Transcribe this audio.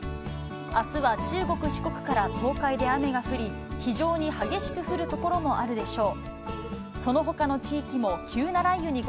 あすは中国、四国から東海で雨が降り、非常に激しく降る所もあるでしょう。